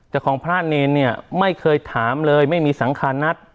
แต่ของพระเนรเนี่ยไม่เคยถามเลยไม่มีสังคารนัท